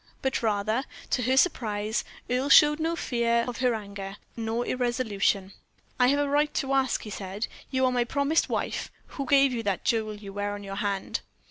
But, rather to her surprise, Earle showed no fear of her anger, no irresolution. "I have a right to ask," he said. "You are my promised wife. Who gave you the jewel you wear on your hand?"